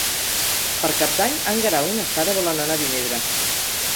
Per Cap d'Any en Guerau i na Sara volen anar a Vinebre.